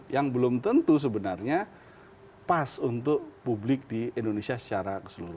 yang belum tentu sebenarnya pas untuk publik di indonesia secara keseluruhan